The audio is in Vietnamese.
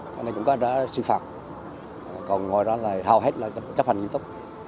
thế nên cũng có ra xuyên phạt còn ngồi đó là hầu hết là chấp hành nghiêm túc